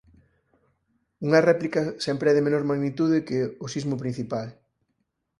Unha réplica sempre é de menor magnitude que o sismo principal.